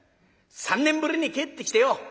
３年ぶりに帰ってきてよ